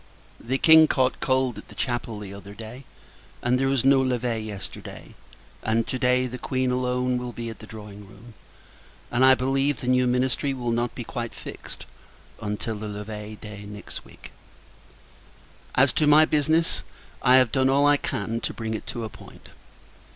The King caught cold at the Chapel the other day, and there was no levee yesterday; and, to day, the Queen alone will be at the drawing room: and, I believe, the new ministry will not be quite fixed, until the levee day next week. As to my business I have done all I can to bring it to a point.